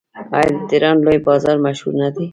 آیا د تهران لوی بازار مشهور نه دی؟